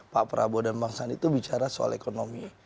pak prabowo dan bang sandi itu bicara soal ekonomi